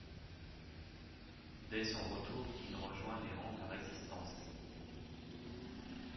Dès son retour, il rejoint les rangs de la Résistance.